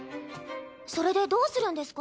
それでどうするんですか？